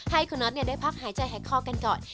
ให้คุณน้อยเนี่ยได้พักหายใจหักคอกันก่อน